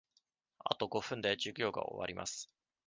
あと五分で授業が終わります。